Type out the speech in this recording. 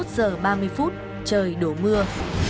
hai mươi một giờ ba mươi phút trời đổ mưa